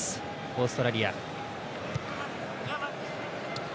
オーストラリア。